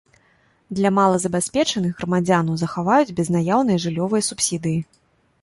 Для малазабяспечаных грамадзянаў захаваюць безнаяўныя жыллёвыя субсідыі.